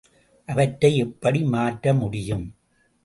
அவற்றை எப்படி மாற்ற முடியும்?